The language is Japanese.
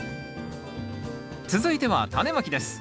続いてはタネまきです。